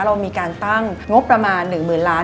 เรามีการตั้งงบประมาณ๑๐๐๐ล้าน